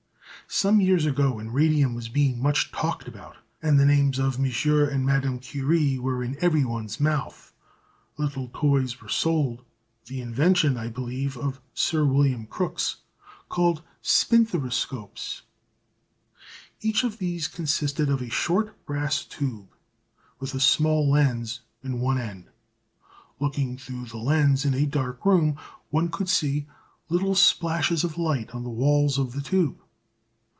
Some years ago, when radium was being much talked about and the names of M. and Madame Curie were in everyone's mouth, little toys were sold, the invention, I believe, of Sir William Crookes, called spinthariscopes. Each of these consisted of a short brass tube with a small lens in one end. Looking through the lens in a dark room, one could see little splashes of light on the walls of the tube.